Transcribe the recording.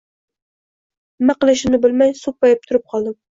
Nima qilishimni bilmay soʻppayib turib qoldim.